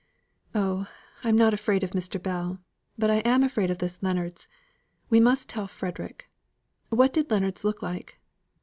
"Oh, I'm not afraid of Mr. Bell; but I am afraid of this Leonards. I must tell Frederick. What did Leonards look like?"